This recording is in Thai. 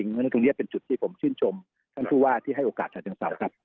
เพราะฉะนั้นตรงนี้เป็นจุดที่ผมชื่นชมท่านผู้ว่าที่ให้โอกาสฉะเชิงเซาครับ